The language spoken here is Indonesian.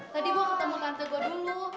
tadi gue ketemu tante gue dulu